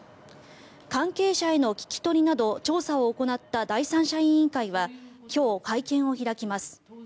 関係者への聞き取りなど調査を行った第三者委員会は今日、会見を開きます。